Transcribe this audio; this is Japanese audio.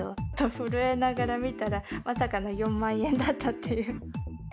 震えながら見たら、まさかの４万円だったっていう。